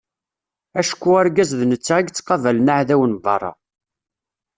Acku argaz d netta i yettqabalen aεdaw n beṛṛa.